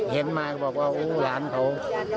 เห็นมาก็บอกว่าโอ้หลานเขา